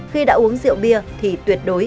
khi đã uống rượu bia thì tuyệt đối không lái xe